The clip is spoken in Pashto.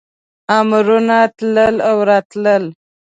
امرونه تلل او راتلل.